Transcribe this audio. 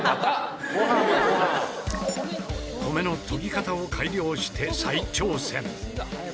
米の研ぎ方を改良して再挑戦。